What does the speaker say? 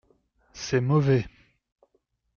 C’est mauvais.